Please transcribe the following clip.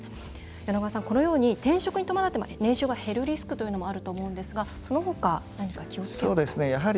柳川さん、このように転職に伴って年収が減るリスクというのもあると思うんですがその他、何か気をつけることは？